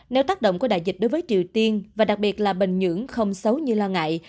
nếu tác động của đại dịch đối với triều tiên và đặc biệt là bình nhưỡng không xấu như lo ngại